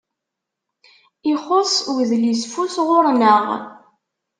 Ixuṣ udlisfus ɣur-neɣ.